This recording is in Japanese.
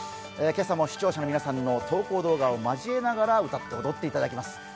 今朝も視聴者の皆さんの投稿動画を交えながら歌って踊っていただきます。